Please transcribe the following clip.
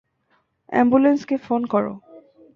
এম্বুলেন্সকে phone করো।